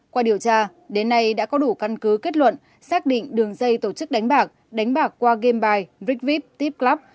qua điều tra đến nay đã có đủ căn cứ kết luận xác định đường dây tổ chức đánh bạc đánh bạc qua game bài brickvip tipclub